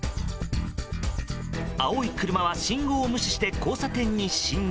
青い車は信号を無視して交差点に進入。